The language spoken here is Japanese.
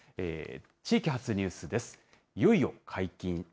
地域発ニュースです。